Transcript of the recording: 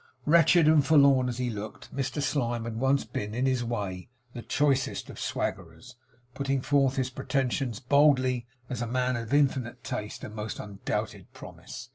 Wretched and forlorn as he looked, Mr Slyme had once been in his way, the choicest of swaggerers; putting forth his pretensions boldly, as a man of infinite taste and most undoubted promise.